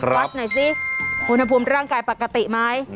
วัดหน่อยสิอุณหภูมิร่างกายปกติไหม